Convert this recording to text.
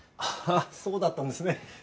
ああそうだったんですね。